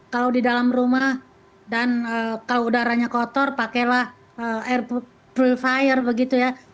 kalau di dalam rumah dan kalau udaranya kotor pakailah air purifier begitu ya